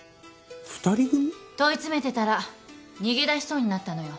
問い詰めてたら逃げ出しそうになったのよ。